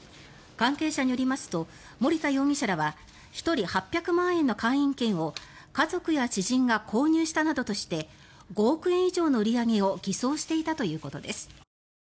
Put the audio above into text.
関係者によりますと森田容疑者らは１人８００万円の会員権を家族や知人が購入したなどとして５億円以上の売り上げを偽装していたということです。